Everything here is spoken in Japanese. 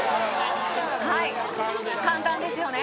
はい簡単ですよね